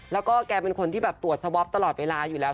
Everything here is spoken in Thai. แล้วก็แกเป็นคนที่แบบตรวจสวอปตลอดเวลาอยู่แล้ว